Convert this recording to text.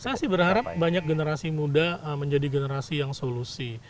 saya sih berharap banyak generasi muda menjadi generasi yang solusi